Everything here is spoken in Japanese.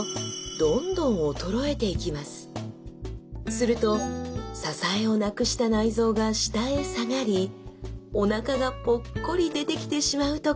すると支えをなくした内臓が下へ下がりおなかがポッコリ出てきてしまうと考えられます！